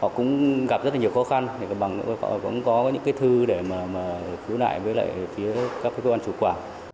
họ cũng gặp rất nhiều khó khăn họ cũng có những thư để phú lại với các cơ quan chủ quản